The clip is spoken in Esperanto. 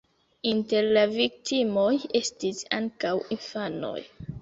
Inter la viktimoj estis ankaŭ infanoj.